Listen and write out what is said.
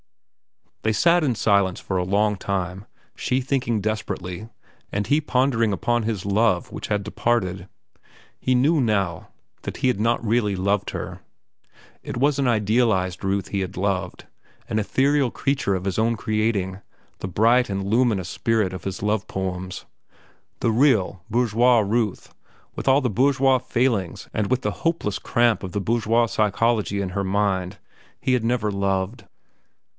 They sat in silence for a long time, she thinking desperately and he pondering upon his love which had departed. He knew, now, that he had not really loved her. It was an idealized Ruth he had loved, an ethereal creature of his own creating, the bright and luminous spirit of his love poems. The real bourgeois Ruth, with all the bourgeois failings and with the hopeless cramp of the bourgeois psychology in her mind, he had never loved.